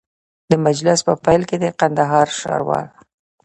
د مجلس په پیل کي د کندهار ښاروال